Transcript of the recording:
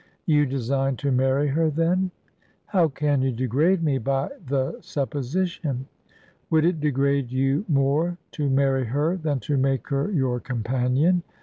"You design to marry her, then?" "How can you degrade me by the supposition?" "Would it degrade you more to marry her than to make her your companion?